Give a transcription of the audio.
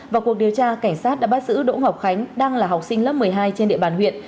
vào cuộc điều tra cảnh sát đã bắt giữ đỗ ngọc khánh đang là học sinh lớp một mươi hai trên địa bàn huyện